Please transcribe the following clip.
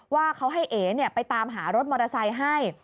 ว่าเขาให้เอ๋ไปตามหารถมอเตอร์ไซค์ให้